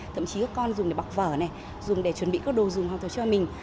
thậm chí các con dùng để bọc vở này dùng để chuẩn bị các đồ dùng học tập cho mình